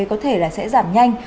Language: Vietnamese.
có thể là sẽ giảm nhanh